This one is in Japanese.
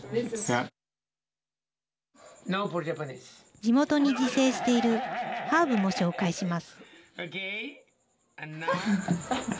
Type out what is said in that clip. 地元に自生しているハーブも紹介します。